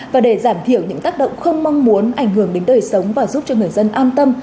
và để giảm thiểu những tác động không mong muốn ảnh hưởng đến đời sống và giúp cho người dân an tâm